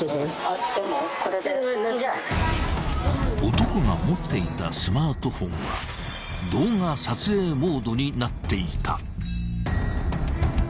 ［男が持っていたスマートフォンは動画撮影モードになっていた］